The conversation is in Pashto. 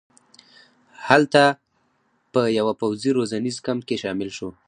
هلته په یوه پوځي روزنیز کمپ کې شامل شو.